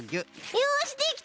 よしできた！